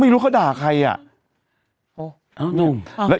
ไม่รู้เขาด่าใครอ่ะ